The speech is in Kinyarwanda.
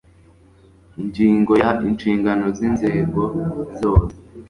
ingingo ya inshingano z inzego zose